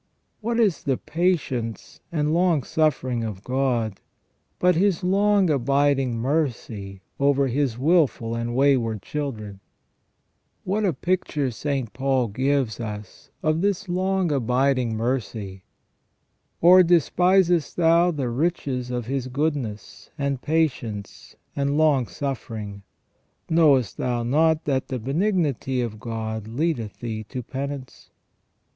What is the patience and long suffering of God but His long abiding mercy over His wilful and wayward children ? What a picture St. Paul gives us of this long abiding mercy ?" Or ■despisest thou the riches of His goodness, and patience, and long 240 ON PENAL EVIL OR PUNISHMENT. suffering ? Knowest thou not that the benignity of God leadeth thee to penance?"